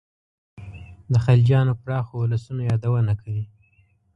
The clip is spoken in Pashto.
د خلجیانو پراخو اولسونو یادونه کوي.